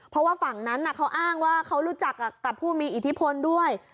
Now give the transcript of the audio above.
เพราะว่าฝั่งนั้นเขาอ้างว่าเขารู้จักกับผู้มีอิทธิพลด้วย